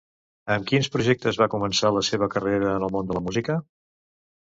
Amb quins projectes va començar la seva carrera en el món de la música?